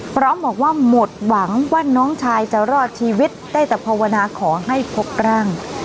พร้อมบอกว่าหมดหวังว่าน้องชายจะรอดชีวิตได้แต่ภาวนาขอให้พบร่าง